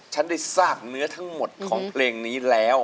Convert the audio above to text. ฉันได้ทราบเนื้อทั้งหมดของเพลงนี้แล้ว